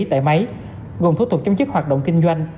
tại máy gồm thủ tục chấm dứt hoạt động kinh doanh